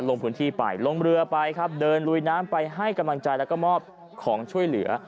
ลงพื้นที่ไปลงเรือไปครับเดินลุยน้ำไปให้กำลังใจแล้วก็มอบของช่วยเหลือ